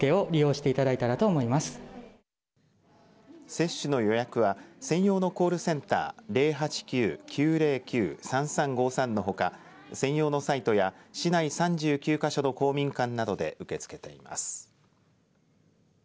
接種の予約は専用のコールセンター０８９−９０９−３３５３のほか専用のサイトや市内３９か所の公民館などで受け付けています。